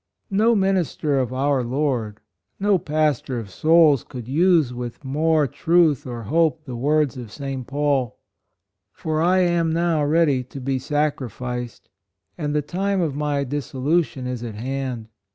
No minister of our Lord — no pastor of souls could use with more truth or hope the words of St. Paul. "For I am now ready to be sacrificed, and the time of my dissolution is at hand.